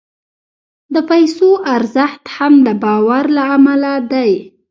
د پیسو ارزښت هم د باور له امله دی.